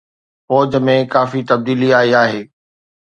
فوج ۾ ڪافي تبديلي آئي آهي